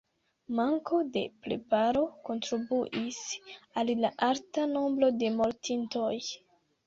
Manko de preparo kontribuis al la alta nombro de mortintoj.